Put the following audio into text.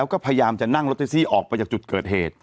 ก็พยายามจะนั่งรถแท็กซี่ออกไปจากจุดเกิดเหตุ